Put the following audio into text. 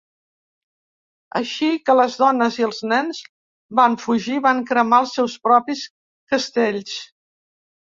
Així que les dones i els nens van fugir, van cremar els seus propis castells.